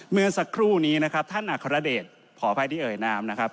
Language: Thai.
เมื่อสักครู่นี้นะครับท่านอัครเดชขออภัยที่เอ่ยนามนะครับ